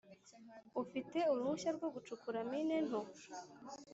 ufite uruhushya rwo gucukura mine nto?